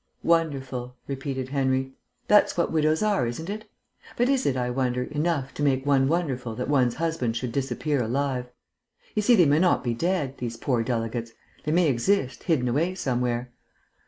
"Wonderful," repeated Henry. "That's what widows are, isn't it? But is it, I wonder, enough to make one wonderful that one's husband should disappear alive? You see, they may not be dead, these poor delegates; they may exist, hidden away somewhere."